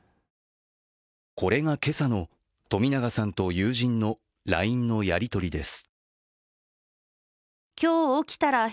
これが今朝の冨永さんと友人のＬＩＮＥのやり取りです。